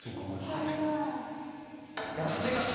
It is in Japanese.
筒井さん